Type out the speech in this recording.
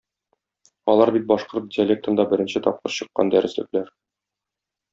Алар бит башкорт диалектында беренче тапкыр чыккан дәреслекләр!